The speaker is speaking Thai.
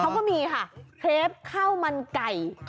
เขาก็มีค่ะเครปข้าวมันไก่